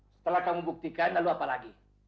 setelah kamu buktikan lalu apa lagi